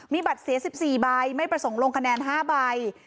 มีบัตรเสีย๑๔ใบไม่ประสงค์ลงคะแนน๕ใบ